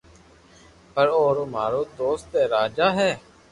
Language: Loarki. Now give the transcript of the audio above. پر اورو مارو دوست اي راجا ھي